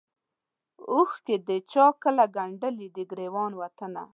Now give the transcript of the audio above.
اوښکو د چا کله ګنډلی دی ګرېوان وطنه